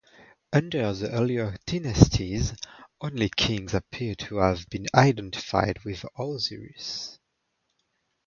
Under the earlier dynasties only kings appear to have been identified with Osiris.